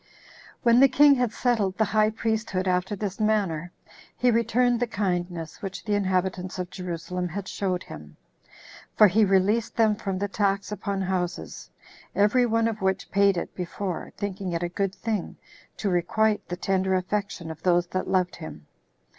3. When the king had settled the high priesthood after this manner, he returned the kindness which the inhabitants of Jerusalem had showed him; for he released them from the tax upon houses, every one of which paid it before, thinking it a good thing to requite the tender affection of those that loved him.